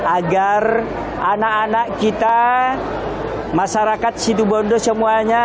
agar anak anak kita masyarakat situbondo semuanya